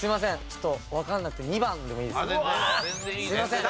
ちょっとわかんなくて２番でもいいですか？